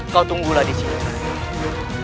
kau tunggulah disini rai